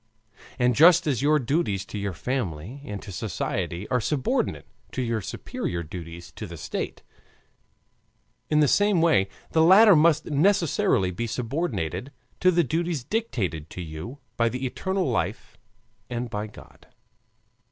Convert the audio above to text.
And just as your duties to your family and to society are subordinate to your superior duties to the state, in the same way the latter must necessarily be subordinated to the duties dictated to you by the eternal life and by God.